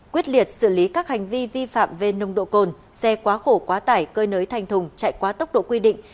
quyết liệt xử lý các hành vi vi phạm về nồng độ cồn xe quá khổ quá tải cơi nới thành thùng chạy quá tốc độ quy định